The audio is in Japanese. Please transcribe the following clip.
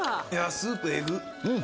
スープえぐっ。